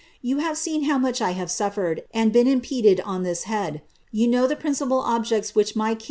You have seen how much I have suffered, and Wn impeded on this head. You know the principal objects which my kjn?